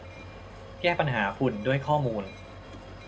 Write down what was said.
แก้ปัญหาฝุ่นด้วยข้อมูล